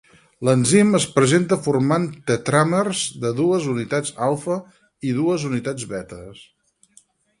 L'enzim es presenta formant tetràmers de dues unitats alfa i dues unitats beta.